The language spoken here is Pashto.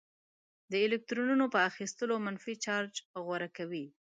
د الکترونونو په اخیستلو منفي چارج غوره کوي.